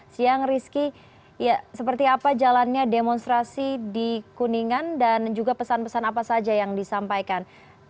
siang rizky seperti apa jalannya demonstrasi di kuningan dan juga pesan pesan apa saja yang disampaikan